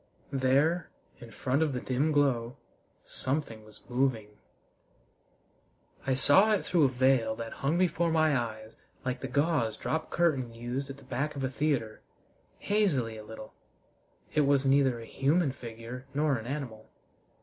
There, in front of the dim glow, something was moving. I saw it through a veil that hung before my eyes like the gauze drop curtain used at the back of a theater hazily a little. It was neither a human figure nor an animal.